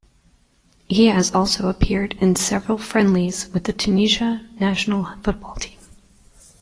He has also appeared in several friendlies with the Tunisia national football team.